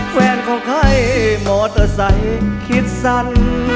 แว่นของใครหมอเตอร์ใส่คิดสั่น